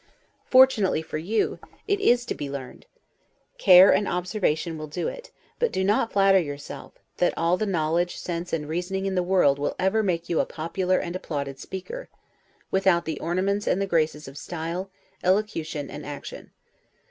Fortunately for you, it is to be learned. Care and observation will do it; but do not flatter yourself, that all the knowledge, sense, and reasoning in the world will ever make you a popular and applauded speaker, without the ornaments and the graces of style, elocution, and action.